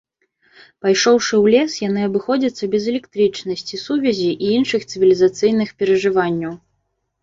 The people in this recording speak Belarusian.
Пайшоўшы ў лес, яны абыходзяцца без электрычнасці, сувязі і іншых цывілізацыйных перажыванняў.